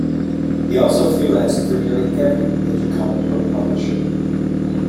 He also freelanced for nearly every major comic book publisher.